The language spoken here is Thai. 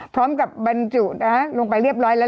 พร้อมกับบรรจุลงไปเรียบร้อยแล้ว